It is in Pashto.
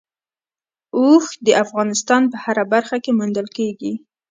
اوښ د افغانستان په هره برخه کې موندل کېږي.